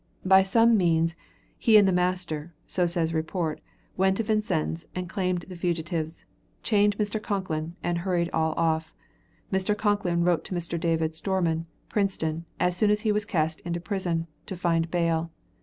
By some means, he and the master, so says report, went to Vincennes and claimed the fugitives, chained Mr. Concklin and hurried all off. Mr. Concklin wrote to Mr. David Stormon, Princeton, as soon as he was cast into prison, to find bail.